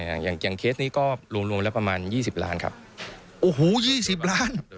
อย่างอย่างเคสนี้ก็รวมรวมแล้วประมาณยี่สิบล้านครับโอ้โหยี่สิบล้าน